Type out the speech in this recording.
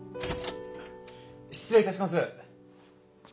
失礼いたします。